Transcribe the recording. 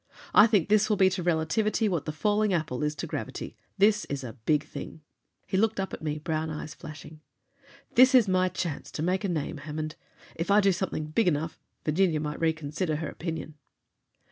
I think this will be to relativity what the falling apple is to gravity. This is a big thing." He looked up at me, brown eyes flashing. "This is my chance to make a name, Hammond. If I do something big enough Virginia might reconsider her opinion."